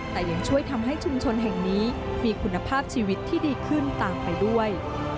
แต่ยังช่วยทำให้ชุมชนแห่งนี้มีคุณภาพชีวิตที่ดีขึ้นตามไปด้วย